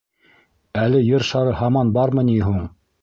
Әле Ер шары һаман бармы ни һуң?